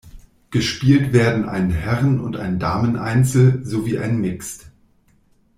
Gespielt werden ein Herren- und ein Dameneinzel sowie ein Mixed.